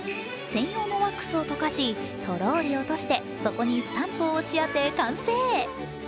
専用のワックスを溶かしとろーり落としてそこにスタンプを押し当て、完成。